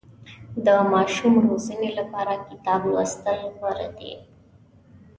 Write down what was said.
د ماشوم روزنې لپاره کتاب لوستل غوره دي.